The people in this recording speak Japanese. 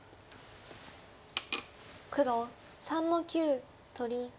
黒３の九取り。